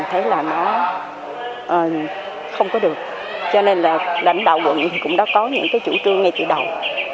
thấy là nó không có được cho nên là lãnh đạo quận thì cũng đã có những cái chủ trương ngay từ đầu